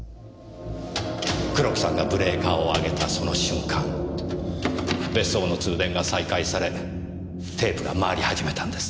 黒木さんがブレーカーを上げたその瞬間別荘の通電が再開されテープが回り始めたんです。